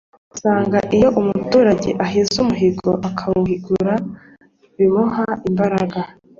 Asanga iyo umuturage ahize umuhigo akawuhigura bimuha imbaraga